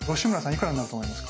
いくらになると思いますか？